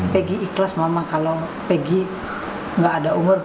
pegi ikhlas mama kalau pegi tidak ada umur